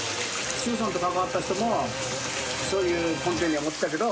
周さんと関わった人もそういう根底には持ってたけど。